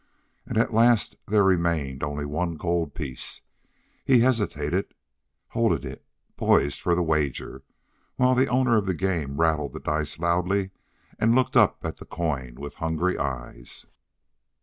And at last there remained only one gold piece. He hesitated, holding it poised for the wager, while the owner of the game rattled the dice loudly and looked up at the coin with hungry eyes.